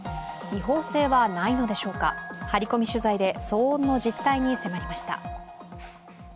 違法性はないのでしょうか、ハリコミ取材で騒音の実態に迫りました。